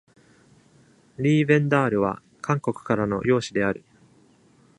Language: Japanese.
リーヴェンダールは韓国からの養子である。